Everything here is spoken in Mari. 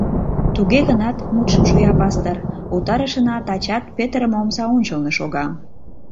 — Туге гынат, — мутшым шуя пастор, — Утарышына тачат петырыме омса ончылно шога.